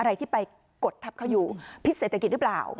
อะไรที่ไปกดทับเขาอยู่พิษเศรษฐกิจหรือเปล่า